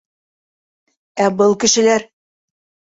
Ә был кешеләр?